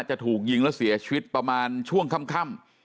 จะถูกยิงแล้วเสียชีวิตประมาณช่วงค่ำ